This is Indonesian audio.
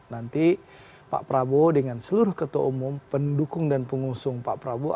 nanti pak prabowo dengan seluruh ketua umum pendukung dan pengusung pak prabowo